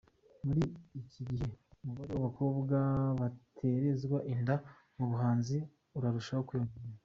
Muri iki gihe umubare w’abakobwa batererwa inda mu buhanzi urarushaho kwiyongera.